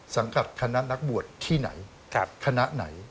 กับคณะนักบวชที่ไหนคณะไหน